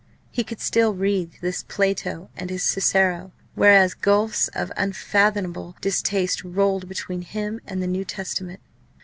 He could still read his Plato and his Cicero, whereas gulfs of unfathomable distaste rolled between him and the New Testament.